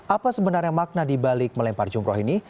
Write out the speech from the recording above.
apa sebenarnya makna dibalik melempar jumroh ini